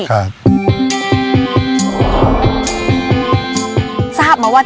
ที่นี่มีพื้นที่ทั้งหมดก็๑๒๐๐๐กว่าไร่